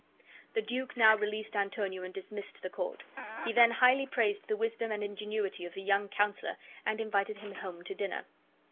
The duke now released Antonio and dismissed the court. He then highly praised the wisdom and ingenuity of the young counselor and invited him home to dinner.